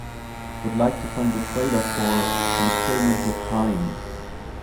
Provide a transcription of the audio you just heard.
Would like to find the trailer for An Experiment with Time